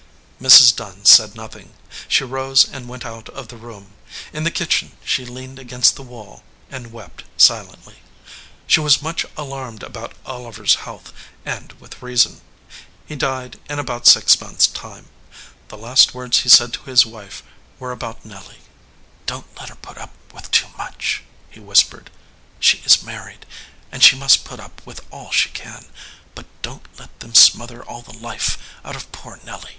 Mrs. Dunn said nothing. She rose and went out of the room. In the kitchen she leaned against the wall and wept silently. She was much alarmed about Oliver s health, and with reason. He died in about six months time. The last words he said to his wife were about Nelly. "Don t let her put up with too much," he whis pered. "She is married, and she must put up with all she can, but don t let them smother all the life out of poor Nelly.